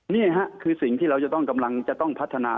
นี่ค่ะคือสิ่งที่เราจะต้องกำลังจะต้องพัฒนา